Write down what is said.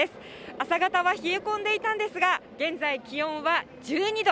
朝方は冷え込んでいたんですが、現在、気温は１２度。